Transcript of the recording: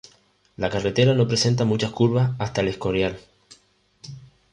La carretera no presenta muchas curvas hasta El Escorial.